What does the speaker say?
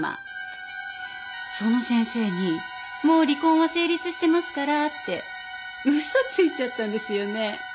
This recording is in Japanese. その先生にもう離婚は成立してますからって嘘ついちゃったんですよね？